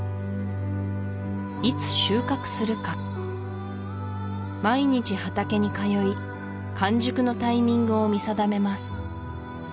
いつ収穫するか毎日畑に通い完熟のタイミングを見定めます